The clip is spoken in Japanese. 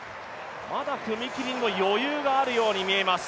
まだ踏み切りにも余裕があるようにも見えます。